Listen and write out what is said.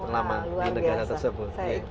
lama di negara tersebut